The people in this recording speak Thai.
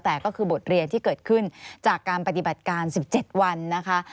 แต่ก็คือบทเรียนที่เกิดขึ้นจากการปฏิบัติการ๑๗วันนะคะ